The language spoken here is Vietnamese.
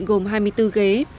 gồm hai mươi bốn ghế